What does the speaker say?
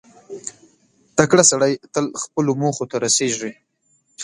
• تکړه سړی تل خپلو موخو ته رسېږي.